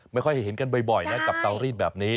ไม่ค่อยเห็นกันบ่อยนะกับเตารีดแบบนี้